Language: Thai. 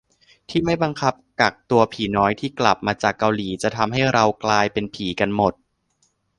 ที่ไม่บังคับกักตัวผีน้อยที่กลับมาจากเกาหลี จะทำให้เรากลายเป็นผีกันหมด